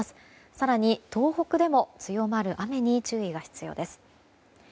更に東北でも強まる雨に注意が必要です。